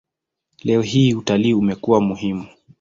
Leo hii utalii umekuwa muhimu.